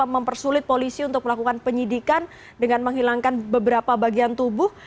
mempersulit polisi untuk melakukan penyidikan dengan menghilangkan beberapa bagian tubuh